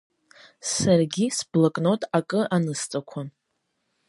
Саргьы сблокнот акы анысҵақәон…